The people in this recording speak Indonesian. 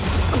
ya aku sama